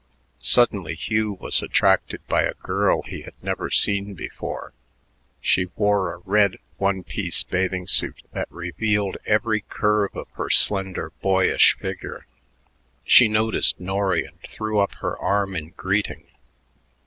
Suddenly Hugh was attracted by a girl he had never seen before. She wore a red one piece bathing suit that revealed every curve of her slender, boyish figure. She noticed Norry and threw up her arm in greeting.